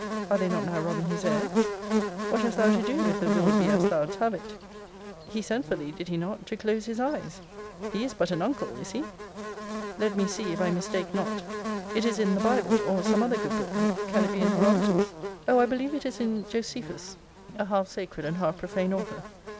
Are they not now robbing his heirs? What has thou to do, if the will be as thou'dst have it? He sent for thee [did he not?] to close his eyes. He is but an uncle, is he? Let me see, if I mistake not, it is in the Bible, or some other good book: can it be in Herodotus? O I believe it is in Josephus, a half sacred, and half profane author.